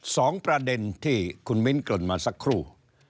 สองประเด็นที่คุณมิ้นเกริ่นมาสักครู่